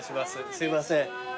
すいません。